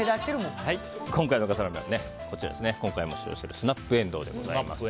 今回の笠原の眼は今回も使用しているスナップエンドウです。